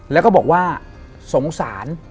แล้วก็บอกว่าสงสาร